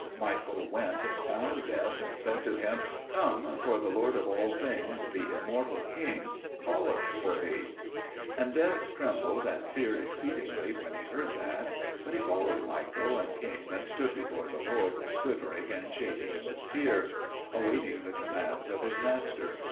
Michael went and found Death, and said to him, "Come, for the Lord of all things, the Immortal King, calleth for thee." And Death trembled and feared exceedingly when he heard that; but he followed Michael and came and stood before the Lord, quivering and shaking with fear, awaiting the commands of his Master.